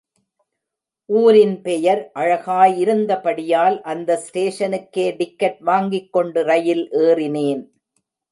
ஊரின் பெயர் அழகாய் இருந்தபடியால் அந்த ஸ்டேஷனுக்கே டிக்கெட் வாங்கிக் கொண்டு ரயில் ஏறினேன்.